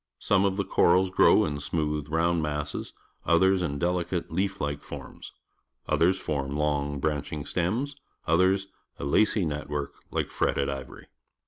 Some of the corals grow in smooth, round masses, others in delicate leaf like forms; others form long, branch ing stems; others a lacy net work hke fret ted ivory.